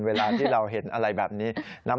เวลาที่เราเห็นอะไรแบบนี้